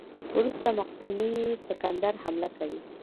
وروسته مقدوني سکندر حمله کوي.